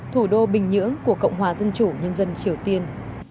thủ đô bình nhưỡng của cộng hòa dân chủ nhân dân triều tiên